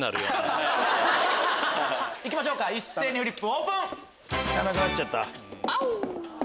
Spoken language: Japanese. いきましょうか一斉にフリップオープン！